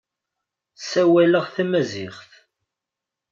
Ssawaleɣ tamaziɣt.